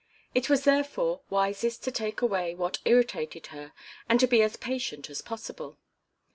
It was therefore wisest to take away what irritated her and to be as patient as possible.